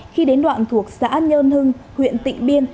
khi đến đoạn thuộc xã nhơn hưng huyện tịnh biên